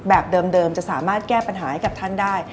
แบบเดิมจะสามารถแก้ปัญหาให้กับท่านได้